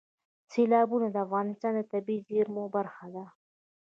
سیلابونه د افغانستان د طبیعي زیرمو برخه ده.